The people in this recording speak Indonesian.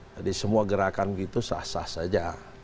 jadi semua gerakan gitu sah sah saja